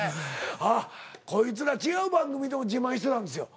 あっこいつら違う番組でも自慢してたんですよ。